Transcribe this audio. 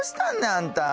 あんた。